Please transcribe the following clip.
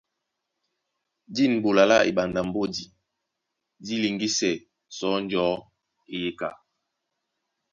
Dîn ɓola lá eɓanda mbódi dí liŋgísɛ sɔ́ njɔ̌ eyeka.